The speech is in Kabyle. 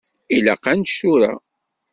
Ilaq ad nečč tura.